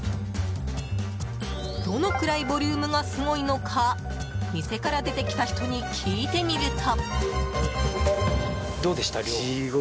どのぐらいボリュームがすごいのか店から出てきた人に聞いてみると。